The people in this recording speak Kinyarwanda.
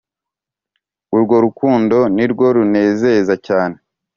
urwo rukundo nirwo runezeza cyane